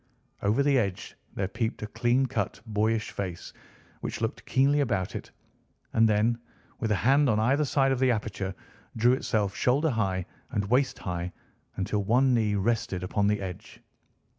Over the edge there peeped a clean cut, boyish face, which looked keenly about it, and then, with a hand on either side of the aperture, drew itself shoulder high and waist high, until one knee rested upon the edge.